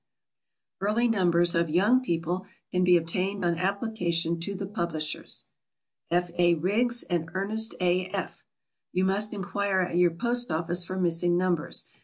Early numbers of YOUNG PEOPLE can be obtained on application to the publishers. F. A. RIGGS AND ERNEST A. F. You must inquire at your post office for missing numbers.